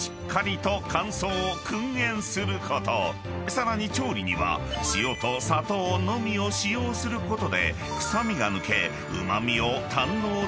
［さらに調理には塩と砂糖のみを使用することで臭みが抜けうま味を堪能できるという］